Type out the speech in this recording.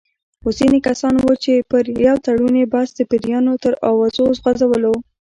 خو ځینې کسان وو چې پر تړون یې بحث د پیریانو تر اوازو غـځولو.